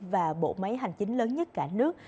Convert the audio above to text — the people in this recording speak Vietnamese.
và bộ máy hành chính lớn nhất cả nước